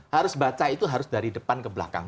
harus baca itu harus dari depan ke belakang